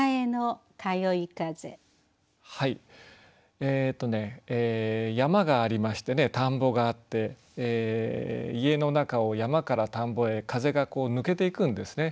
えっとね山がありまして田んぼがあって家の中を山から田んぼへ風がこう抜けていくんですね。